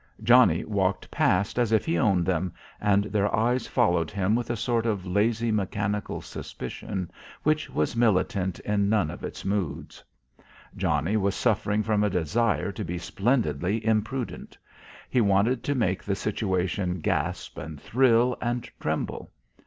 Johnnie walked past as if he owned them, and their eyes followed him with a sort of a lazy mechanical suspicion which was militant in none of its moods. Johnnie was suffering from a desire to be splendidly imprudent. He wanted to make the situation gasp and thrill and tremble.